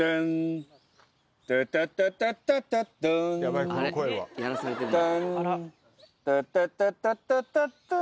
タンタタタタタタタン